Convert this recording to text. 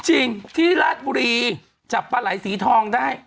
จริงที่ราชบุรีจับปลาไหล่สีทองได้